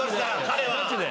彼は。